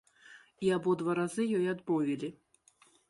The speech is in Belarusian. І абодва разы ёй адмовілі.